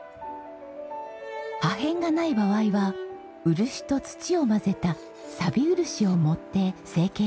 破片がない場合は漆と土を混ぜた錆漆を盛って成形します。